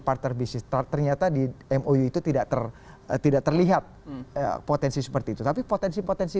part time bisnis ternyata di mou itu tidak terlihat potensi seperti itu tapi potensi potensi